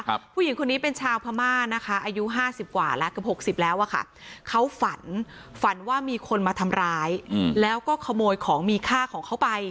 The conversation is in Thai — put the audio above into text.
ผู้หญิงคนนี้เป็นชาวพม่านะคะอายุห้าสิบกว่าแล้วเกือบหกสิบแล้วอ่ะค่ะเขาฝันฝันว่ามีคนมาทำร้ายอืมแล้วก็ขโมยของมีค่าของเขาไป